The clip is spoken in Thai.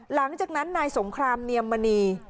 หลังจากนั้นนายสงครามเนียมมณี